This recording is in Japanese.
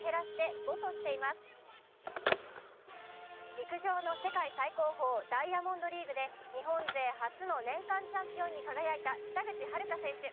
陸上の世界最高峰、ダイヤモンドリーグで日本勢初の年間チャンピオンに輝いた北口榛花選手。